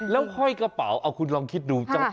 แล้วห้อยกระเป๋าเอาคุณลองคิดดู